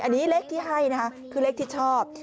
อันนี้เลขที่ให้นะคะคือเลขที่ชอบ